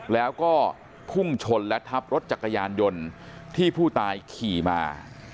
แล้วก็พุ่งชนและทับรถจักรยานยนต์ที่ผู้ตายขี่มา